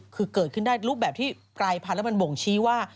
คือเกิดขึ้นได้รูปแบบที่กลายพันธุ์แล้วมันบ่งชี้ว่า